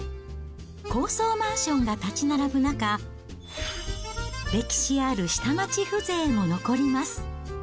高層マンションが建ち並ぶ中、歴史ある下町風情も残ります。